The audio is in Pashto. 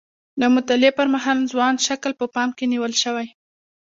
د مطالعې پر مهال ځوان شکل په پام کې نیول شوی.